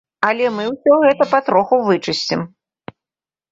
Але мы ўсё гэта патроху вычысцім.